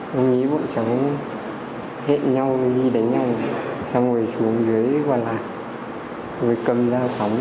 mình nghĩ bọn cháu hẹn nhau đi đánh nhau xong rồi xuống dưới quà lạc rồi cầm giao phóng đi đánh nhau